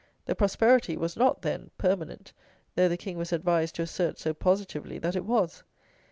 The "prosperity" was not, then, "permanent," though the King was advised to assert so positively that it was!